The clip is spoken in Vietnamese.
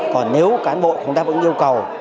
còn nếu cán bộ không đáp ứng yêu cầu